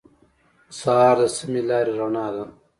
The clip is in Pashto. سهار د سمې لارې رڼا ده.